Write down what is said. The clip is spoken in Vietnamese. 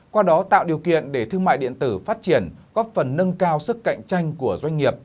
qua đó tạo điều kiện để thương mại điện tử phát triển góp phần nâng cao sức cạnh tranh của doanh nghiệp